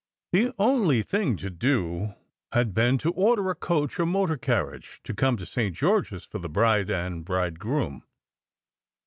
The only thing to do had been to order a motor or car riage to come to St. George s for the bride and bridegroom.